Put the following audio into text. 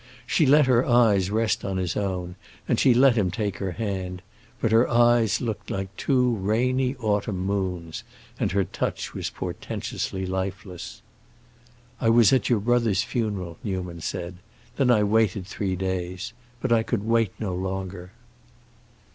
She let her eyes rest on his own, and she let him take her hand; but her eyes looked like two rainy autumn moons, and her touch was portentously lifeless. "I was at your brother's funeral," Newman said. "Then I waited three days. But I could wait no longer."